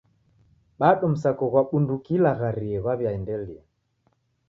Bado msako ghwa bunduki ilagharie ghwaw'iaendelia.